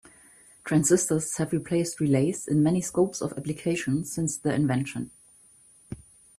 Transistors have replaced relays in many scopes of application since their invention.